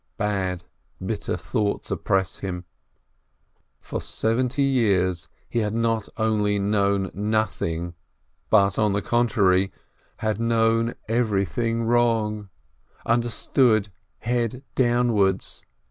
Bad, bitter thoughts oppress him. For seventy years he had not only known nothing, but, on the contrary, he had known everything wrong, understood head downwards.